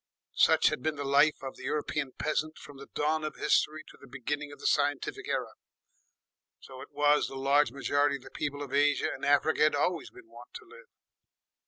Such had been the life of the European peasant from the dawn of history to the beginning of the Scientific Era, so it was the large majority of the people of Asia and Africa had always been wont to live.